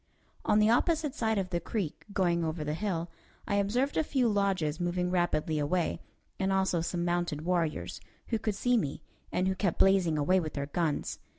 On the opposite side of the creek, going over the hill, I observed a few lodges moving rapidly away, and also some mounted warriors, who could see me, and who kept blazing away with their guns.